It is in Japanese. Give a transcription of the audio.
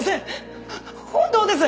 本当です！